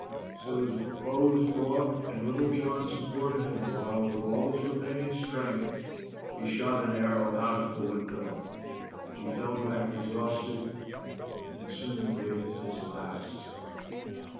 So his bow was brought, and Littlejohn supported him while, with all his remaining strength, he shot an arrow out of the window. He fell back exhaust ed, and soon breathed his last.